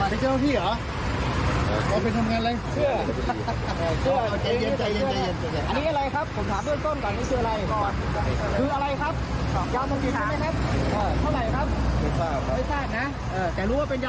ไปเจ้าพี่เหรอเดี๋ยวไปทำงานไง